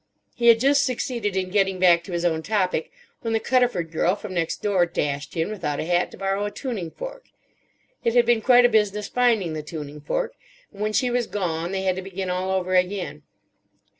He had just succeeded in getting back to his own topic when the Cuddiford girl from next door dashed in without a hat to borrow a tuning fork. It had been quite a business finding the tuning fork, and when she was gone they had to begin all over again.